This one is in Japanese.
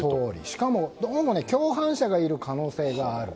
しかも、どうも共犯者がいる可能性がある。